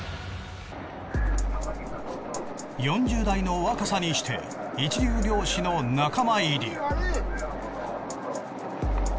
４０代の若さにして一流漁師の仲間入り。